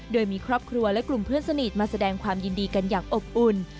โดยมีครอบครัวและกลุ่มเพื่อนสนิทมาแสดงความยินดีกันอย่างอบอุ่น